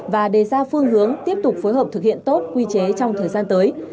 và đề ra phương hướng tiếp tục phối hợp thực hiện tốt quy chế trong thời gian tới